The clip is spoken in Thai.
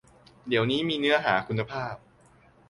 เดี๋ยวนี้มีเนื้อหาคุณภาพ